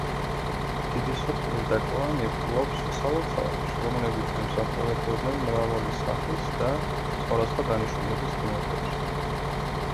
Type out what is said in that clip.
დიდი სოფელი და კლანი ფლობს სალოცავებს, რომლებიც ემსახურებოდნენ მრავალი სახის და სახვადასხვა დანიშნულების ღმერთებს.